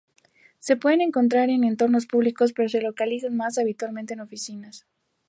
Se pueden encontrar en entornos públicos pero se localizan más habitualmente en oficinas.